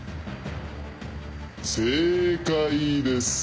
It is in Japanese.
正解です。